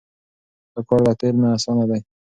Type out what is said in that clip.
دا کار له تېر نه اسانه دی.